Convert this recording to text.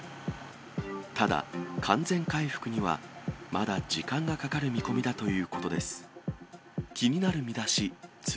ただ、完全回復にはまだ時間がかかる見込みだということです。